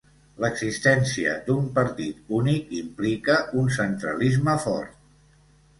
L'existència d'un partit únic implica un centralisme fort.